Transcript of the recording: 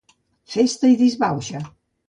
Festa i disbauxa.